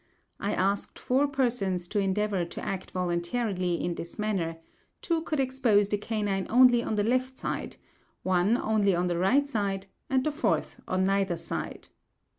I asked four persons to endeavour to act voluntarily in this manner; two could expose the canine only on the left side, one only on the right side, and the fourth on neither side.